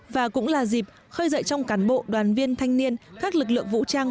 và cũng là dịp khơi dậy trong cán bộ đoàn viên thanh niên các lực lượng vũ trang